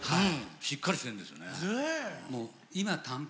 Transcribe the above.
しっかりしてるんですよね。